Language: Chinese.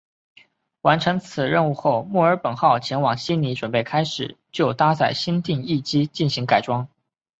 完成此任务后墨尔本号前往悉尼准备开始就搭载新定翼机进行改装。